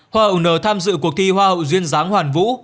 hai nghìn hai mươi hai hoa hậu n tham dự cuộc thi hoa hậu duyên dáng hoàn vũ